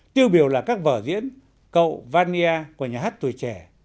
tiêu biểu là các vở diễn cậu vania của nhà hát tuổi trẻ